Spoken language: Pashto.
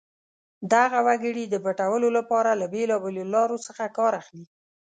دغه وګړي د پټولو لپاره له بېلابېلو لارو څخه کار اخلي.